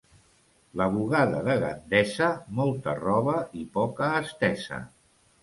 La bugada de Gandesa, molta roba i poca estesa.